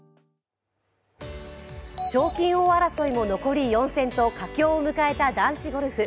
賞金王争いも残り４戦と佳境を迎えた男子ゴルフ。